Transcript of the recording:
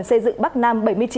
xây dựng bắc nam bảy mươi chín